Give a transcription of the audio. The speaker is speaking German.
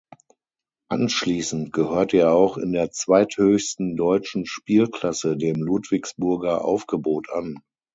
Anschließend gehörte er auch in der zweithöchsten deutschen Spielklasse dem Ludwigsburger Aufgebot an.